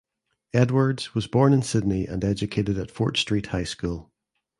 Edwardes was born in Sydney and educated at Fort Street High School.